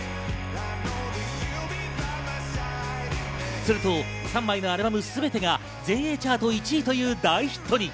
すると３枚のアルバム全てが全英チャート１位という大ヒットに。